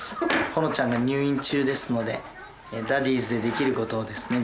ほのちゃんが入院中ですのでダディーズでできることをですね